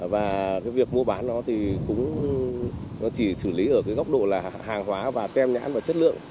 và việc mua bán nó thì cũng chỉ xử lý ở góc độ hàng hóa và tem nhãn và chất lượng